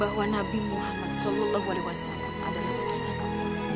bahwa nabi muhammad saw adalah putusan allah